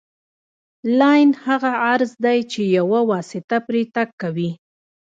لاین هغه عرض دی چې یوه واسطه پرې تګ کوي